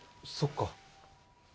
そっか。